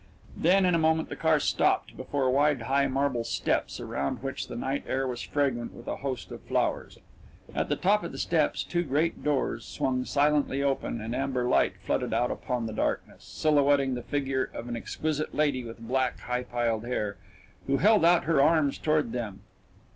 Then in a moment the car stopped before wide, high marble steps around which the night air was fragrant with a host of flowers. At the top of the steps two great doors swung silently open and amber light flooded out upon the darkness, silhouetting the figure of an exquisite lady with black, high piled hair, who held out her arms toward them.